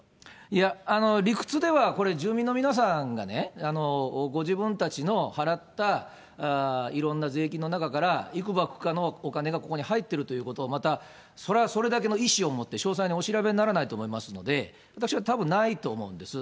いや、理屈では、これ住民の皆さんがね、ご自分たちの払ったいろんな税金の中からいくばくかのお金がここに入ってるということを、またそれはそれだけの意思を持って、詳細にお調べにならないと思いますので、私はたぶんないと思うんです。